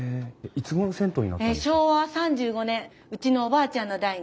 うちのおばあちゃんの代に。